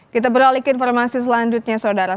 kita beralik informasi selanjutnya saudara